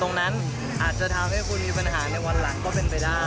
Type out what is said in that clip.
อาจจะทำให้คุณมีปัญหาในวันหลังก็เป็นไปได้